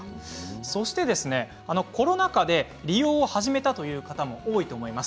そしてコロナ禍で利用を始めたという方も多いと思います。